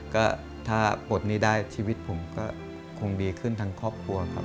ก็ถ้าปลดหนี้ได้ชีวิตผมก็คงดีขึ้นทั้งครอบครัวครับ